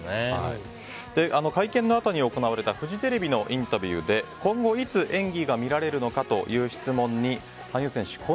会見のあとに行われたフジテレビのインタビューで今後、いつ演技が見られるのかという質問に羽生選手